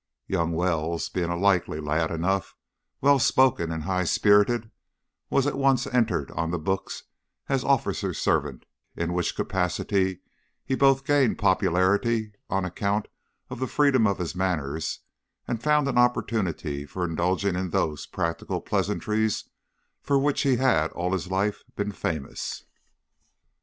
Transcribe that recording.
Young Wells, being a likely lad enough, well spoken and high spirited, was at once entered on the books as officer's servant, in which capacity he both gained great popularity on account of the freedom of his manners, and found an opportunity for indulging in those practical pleasantries for which he had all his life been famous.